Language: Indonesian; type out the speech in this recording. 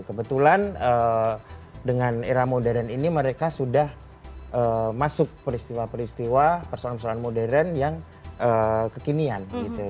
kebetulan dengan era modern ini mereka sudah masuk peristiwa peristiwa persoalan persoalan modern yang kekinian